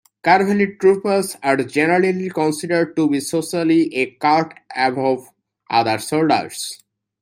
Cavalry Troopers are generally considered to be socially a cut above other soldiers.